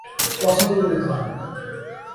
পছন্দ করি তো!